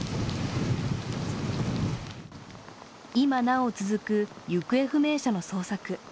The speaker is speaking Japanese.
今なお続く行方不明者の捜索。